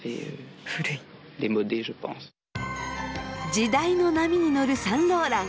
時代の波に乗るサンローラン。